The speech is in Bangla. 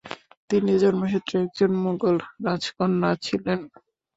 তিনি জন্মসূত্রে একজন মুগল রাজকন্যা ছিলেন।